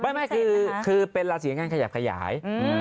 หมายถึงคือเป็นราศีในการขยับขยาย